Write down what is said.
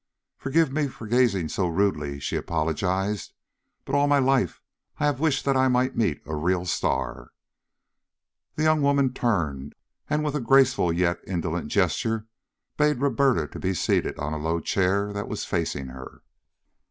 "Forgive me for gazing so rudely," she apologized, "but all my life I have wished that I might meet a real star." The young woman turned and with a graceful yet indolent gesture bade Roberta be seated on a low chair that was facing her.